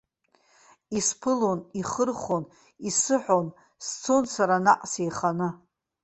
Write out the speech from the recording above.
Исԥылон, ихырхәон, исыҳәон, сцон сара наҟ сеиханы.